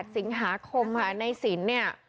สิงหาคมค่ะในสินเนี่ย